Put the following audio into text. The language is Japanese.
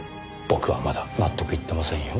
僕はまだ納得いってませんよ。